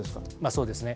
そうですね。